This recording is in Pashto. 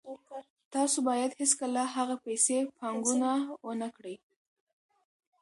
تاسو باید هیڅکله هغه پیسې پانګونه ونه کړئ